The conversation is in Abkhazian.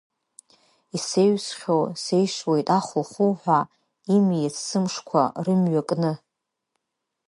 Исаҩсхьоу сеишуеит ахухуҳәа, имиц сымшқәа рымҩа кны.